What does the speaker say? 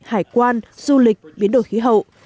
hải quan du lịch biến đổi khí hậu